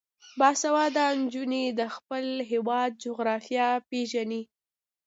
باسواده نجونې د خپل هیواد جغرافیه پیژني.